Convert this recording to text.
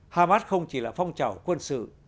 hamas không chỉ là phong trào quân sự